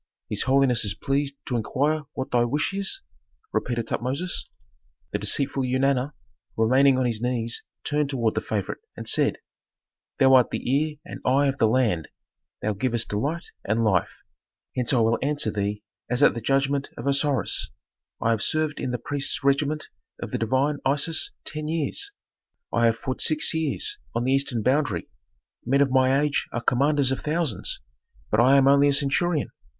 "His holiness is pleased to inquire what thy wish is?" repeated Tutmosis. The deceitful Eunana, remaining on his knees, turned toward the favorite, and said, "Thou art the ear and eye of the land; thou givest delight and life, hence I will answer thee as at the judgment of Osiris: I have served in the priests' regiment of the divine Isis ten years; I have fought six years on the eastern boundary. Men of my age are commanders of thousands, but I am only a centurion.